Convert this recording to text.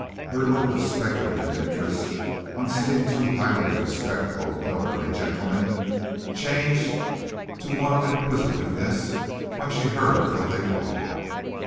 Her look of speculative interest on seeing two highly respectable elderly gentlemen changed to one of inquisitiveness when she heard what they wanted.